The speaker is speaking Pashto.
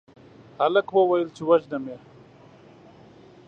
هلک وويل چې وژنم يې